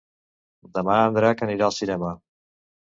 Demà en Drac anirà al cinema.